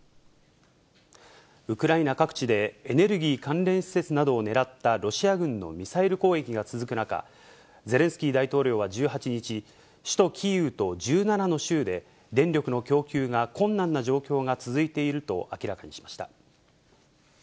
ウクライナ各地でエネルギー関連施設などを狙ったロシア軍のミサイル攻撃が続く中、ゼレンスキー大統領は１８日、首都キーウと１７の州で、電力の供給が困難な状況が続いていると明らかにしました。